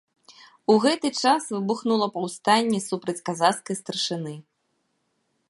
У гэты час выбухнула паўстанне супраць казацкай старшыны.